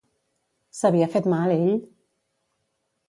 S'havia fet mal ell?